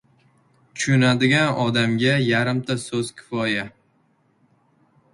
• Tushunadigan odamga yarimta so‘z kifoya.